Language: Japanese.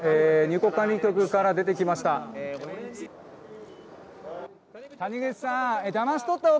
入国管理局から出てきました。